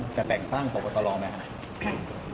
กระแด่งทั่งปกติตรองนะครับ